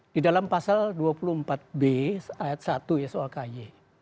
di dalam pasal dua puluh empat b ayat satu ya soal ky